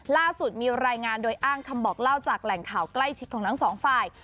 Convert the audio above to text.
ล่าสุดมีรายงานโดยอ้างคำบอกเล่าจากแหล่งข่าวใกล้ชิดของทั้งสองฝ่าย